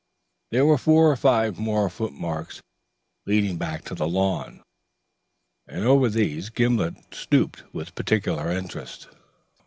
There were four or five more footmarks leading back to the lawn, and over these Gimblet stooped with particular interest.